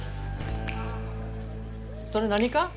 それ何か？